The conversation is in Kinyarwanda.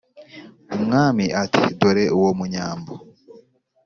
Umwami ati: "Dore uwo Munyambo